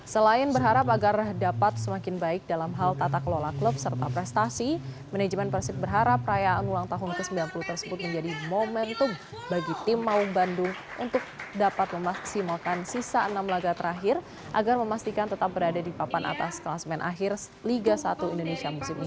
selain berharap agar dapat semakin baik dalam hal tata kelola klub serta prestasi manajemen persib berharap perayaan ulang tahun ke sembilan puluh tersebut menjadi momentum bagi tim maung bandung untuk dapat memaksimalkan sisa enam laga terakhir agar memastikan tetap berada di papan atas kelas main akhir liga satu indonesia musim ini